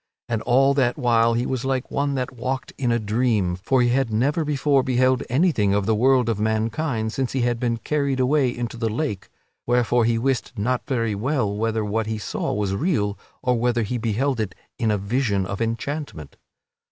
And all that while he was like one that walked in a dream, for he had never before beheld anything of the world of mankind since he had been carried away into the lake, wherefore he wist not very well whether what he saw was real or whether he beheld it in a vision of enchantment.